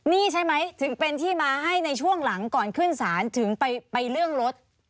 นี่ใช่ไหมถึงเป็นที่มาให้ในช่วงหลังก่อนขึ้นศาลถึงไปเรื่องรถ